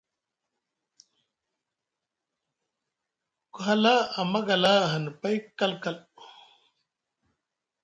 Ku hala a magala ahani pay kalkal.